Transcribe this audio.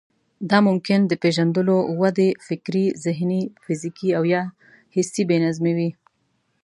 دا ممکن د پېژندلو، ودې، فکري، ذهني، فزيکي او يا حسي بې نظمي وي.